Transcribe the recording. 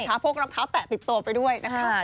ช้าโพกน้ำเท้าแตะติดตัวไปด้วยนะครับ